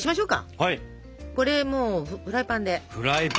これもうフライパンで。